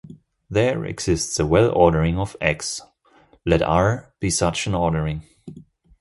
There exists a well-ordering of "X"; let "R" be such an ordering.